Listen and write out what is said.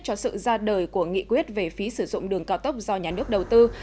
cho sự ra đời của nghị quyết về phí sử dụng đường cao tốc do nhà nước đầu tư